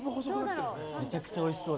めちゃくちゃおいしそう。